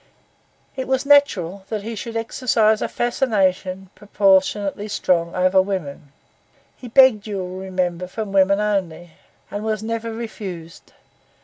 It was natural that he should exercise a fascination proportionally strong upon women. He begged, you will remember, from women only, and was never refused.